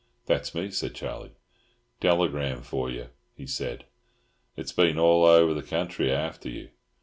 "That's me," said Charlie. "Telegram for you," he said. "It's been all over the country after you."